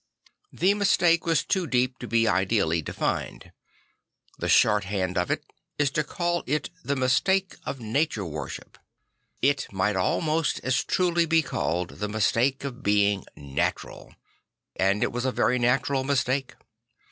Tha t mistake was too deep to be ideall y defined; the short hand of it is to call it the mistake of nature worship. It might almost as truly be called the mistake of being natural; and it was a very natural mistake.